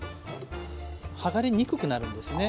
はがれにくくなるんですね。